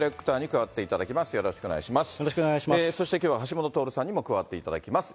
そして、きょうは橋下徹さんにも加わっていただきます。